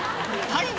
はい！」